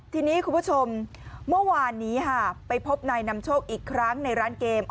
ทีนี้คุณผู้ชมเมื่อวานนี้ค่ะไปพบนายนำโชคอีกครั้งในร้านเกม